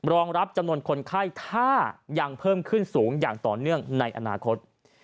รองรับจำนวนคนไข้ถ้ายังเพิ่มขึ้นสูงอย่างต่อเนื่องในอนาคต